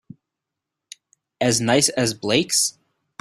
As nice as Blake's?